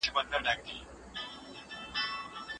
مسواک باید جلا وي.